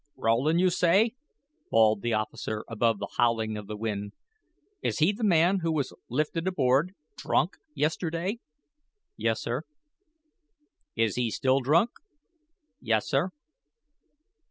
"Rowland, you say?" bawled the officer above the howling of the wind. "Is he the man who was lifted aboard, drunk, yesterday?" "Yes, sir." "Is he still drunk?" "Yes, sir."